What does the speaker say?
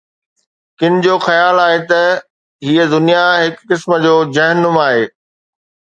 ڪن جو خيال آهي ته هيءَ دنيا هڪ قسم جو جهنم آهي.